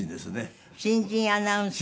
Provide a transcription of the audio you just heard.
新人アナウンサー。